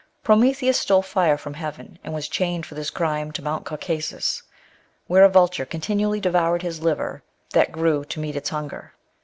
Prometheus stole fire from heaven, and was chained for this crime to Mount Caucasus, where a vulture continually devoured his liver, that grew to meet its hunger.